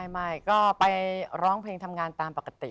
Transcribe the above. ไม่ก็ไปร้องเพลงทำงานตามปกติ